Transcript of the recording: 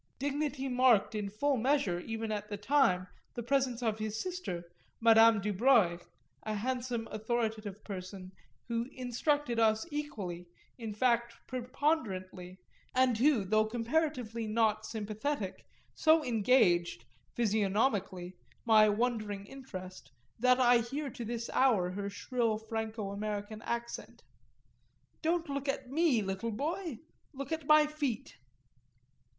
Dignity marked in full measure even at the time the presence of his sister Madame Dubreuil, a handsome authoritative person who instructed us equally, in fact preponderantly, and who, though comparatively not sympathetic, so engaged, physiognomically, my wondering interest, that I hear to this hour her shrill Franco American accent: "Don't look at me, little boy look at my feet."